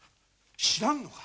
知らんのか！？